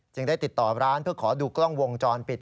ได้ติดต่อร้านเพื่อขอดูกล้องวงจรปิด